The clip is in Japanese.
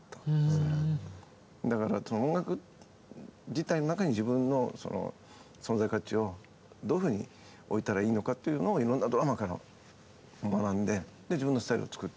だから音楽自体の中に自分の存在価値をどういうふうに置いたらいいのかっていうのをいろんなドラマーから学んで自分のスタイルを作る。